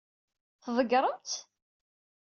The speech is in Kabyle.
Tḍeggṛem-tt?